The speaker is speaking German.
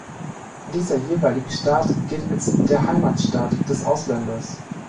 Dieser jeweilige Staat gilt als der "Heimatstaat" des Ausländers.